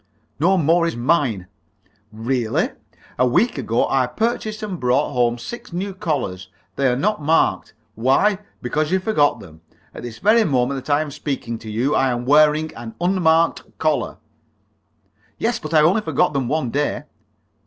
"No more is mine." "Really? A week ago I purchased and brought home six new collars. They are not marked. Why? Because you forgot them! At this very moment that I am speaking to you I am wearing an unmarked collar." "Yes; but I only forgot them one day."